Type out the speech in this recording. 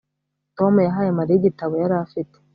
Tom yahaye Mariya igitabo yari afite